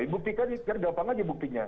bukti kan gampang saja buktinya